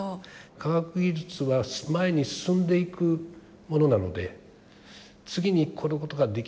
科学技術は前に進んでいくものなので次にこのことができる。